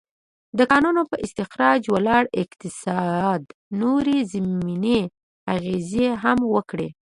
د کانونو پر استخراج ولاړ اقتصاد نورې ضمني اغېزې هم وکړې.